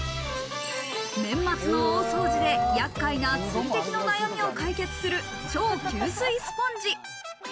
年末の大掃除で厄介な水滴の悩みを解決する超吸水スポンジ。